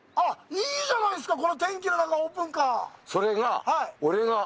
いいじゃないですか、この天気の中、オープンカー！